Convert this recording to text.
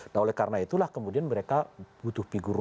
nah oleh karena itulah kemudian mereka butuh figur